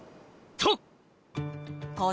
と！